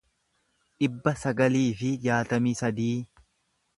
dhibba sagalii fi jaatamii sadii